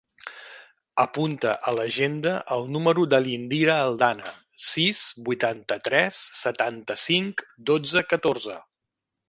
Apunta a l'agenda el número de l'Indira Aldana: sis, vuitanta-tres, setanta-cinc, dotze, catorze.